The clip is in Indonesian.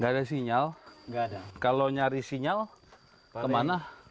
gak ada sinyal kalau nyari sinyal kemana